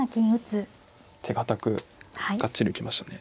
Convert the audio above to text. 手堅くがっちり受けましたね。